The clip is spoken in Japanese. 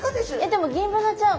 でもギンブナちゃん